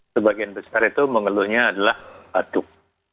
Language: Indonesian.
sebagian besar itu mengeluhnya adalah batuk